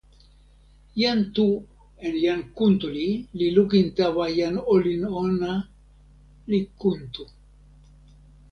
jan Tu en jan Kuntuli li lukin tawa jan olin ona, li kuntu.